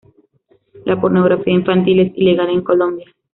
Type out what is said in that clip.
La pornografía infantil es ilegal en Colombia.